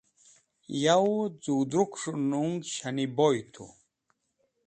Yawẽ z̃ug̃h drukẽs̃h nung Shaniboy tu.